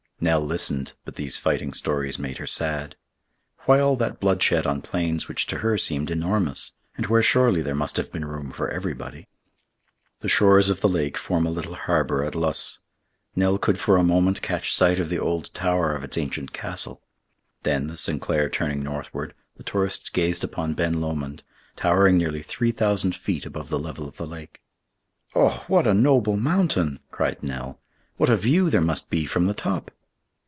Nell listened, but these fighting stories made her sad. Why all that bloodshed on plains which to her seemed enormous, and where surely there must have been room for everybody? The shores of the lake form a little harbor at Luss. Nell could for a moment catch sight of the old tower of its ancient castle. Then, the Sinclair turning northward, the tourists gazed upon Ben Lomond, towering nearly 3,000 feet above the level of the lake. "Oh, what a noble mountain!" cried Nell; "what a view there must be from the top!"